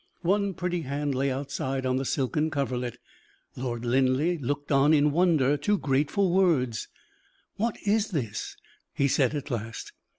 One pretty hand lay outside on the silken coverlet. Lord Linleigh looked on in wonder too great for words. "What is this?" he said, at last.